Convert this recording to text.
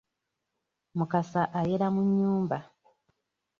Mukasa ayera mu nnyumba.